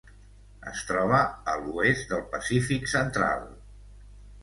Es troba a l'oest del Pacífic central: